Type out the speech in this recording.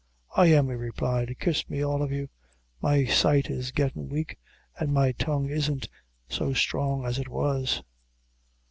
"I am," he replied; "kiss me all of you; my sight is gettin' wake, an' my tongue isn't isn't so strong as it was."